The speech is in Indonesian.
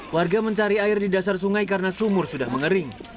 warga mencari air di dasar sungai karena sumur sudah mengering